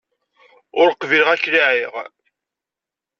Ur qbileɣ ad k-laɛiɣ!